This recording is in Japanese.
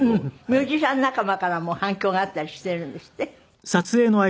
ミュージシャン仲間からも反響があったりしているんですって？